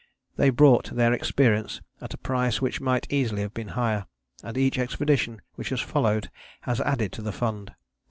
They bought their experience at a price which might easily have been higher; and each expedition which has followed has added to the fund.